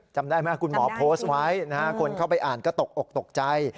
จำได้ไหมคุณหมอโพสต์ไว้คนเข้าไปอ่านก็ตกอกตกใจ